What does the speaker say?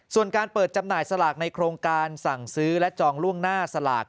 ส่วนการเปิดจำหน่ายสลากในโครงการสั่งซื้อและจองล่วงหน้าสลาก